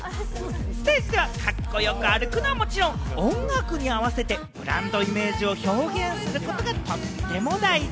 ステージではカッコよく歩くのはもちろん、音楽に合わせてブランドイメージを表現することがとっても大事。